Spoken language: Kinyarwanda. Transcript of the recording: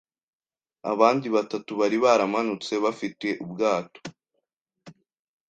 abandi batatu bari baramanutse bafite ubwato.